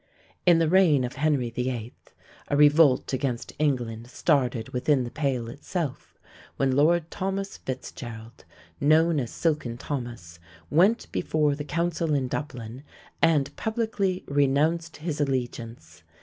In the reign of Henry VIII. a revolt against England started within the Pale itself, when Lord Thomas Fitzgerald, known as Silken Thomas, went before the Council in Dublin and publicly renounced his allegiance.